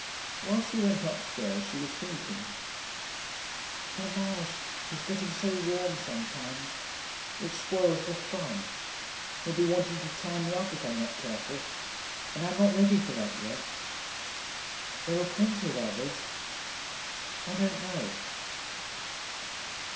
While she went upstairs, she was thinking, 'Dommage, his getting so warm sometimes. It spoils the fun.... He'll be wanting to tie me up if I'm not careful, and I'm not ready for that yet.... There are plenty of others.... I don't know.'